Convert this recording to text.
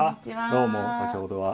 どうも先ほどは。